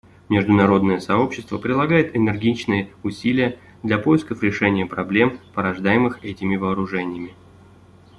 Международное сообщество прилагает энергичные усилия для поисков решения проблем, порождаемых этими вооружениями.